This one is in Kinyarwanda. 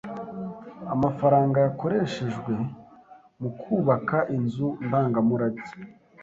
Amafaranga yakoreshejwe mu kubaka inzu ndangamurage?